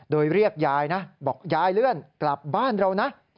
โดยเรียกยายนะบอกยายเลื่อนกลับบ้านเรานะ